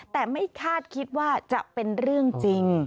แต่ไม่คาดคิดว่าจะเป็นเรื่องจริง